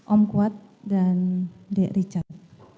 om kuat dan dek richard